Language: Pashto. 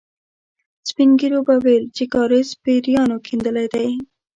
سپين ږيرو به ويل چې کاریز پېريانو کېندلی دی.